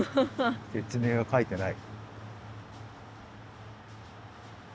説明が書いてない。